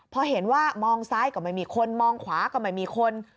พอเห็นว่ามองซ้ายก็ไม่มีคนมองขวาก็ไม่มีคน